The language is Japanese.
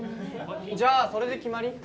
じゃあそれで決まり？